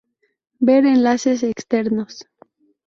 Ver enlaces externos.